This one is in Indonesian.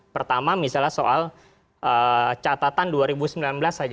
pertama misalnya soal catatan dua ribu sembilan belas saja